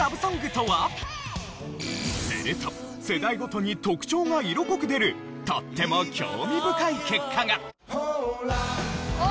今夜はすると世代ごとに特徴が色濃く出るとっても興味深い結果が！